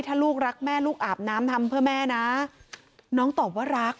ถ้าลูกรักแม่ลูกอาบน้ำทำเพื่อแม่นะน้องตอบว่ารัก